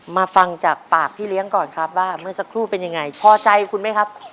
มาฟังจากปากพี่เลี้ยงก่อนครับว่าเมื่อสักครู่เป็นยังไงพอใจคุณไหมครับ